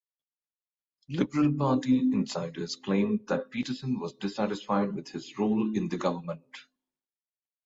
Liberal party insiders claimed that Peterson was dissatisifed with his role in the government.